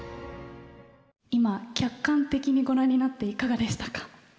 今客観的に御覧になっていかがでしたか？